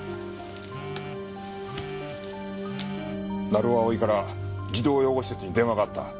成尾蒼から児童養護施設に電話があった。